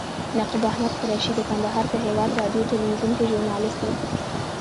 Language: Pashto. نقیب احمد قریشي د کندهار په هیواد راډیو تلویزیون کې ژورنالیست و.